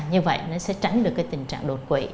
như vậy nó sẽ tránh được cái tình trạng đột quỷ